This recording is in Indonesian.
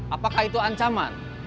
apakah itu ancaman